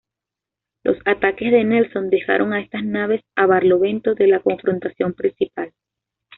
Los ataques de Nelson dejaron a estas naves a barlovento de la confrontación principal.